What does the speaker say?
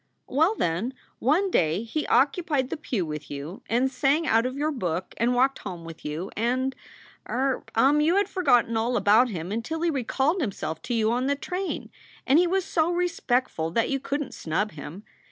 "Well, then, one day he occupied the pew with you and sang out of your book and walked home with you, and er um you had forgotten all about him until he recalled himself to you on the train, and he was so respectful that you couldn t snub him.